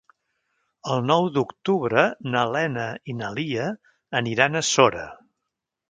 El nou d'octubre na Lena i na Lia aniran a Sora.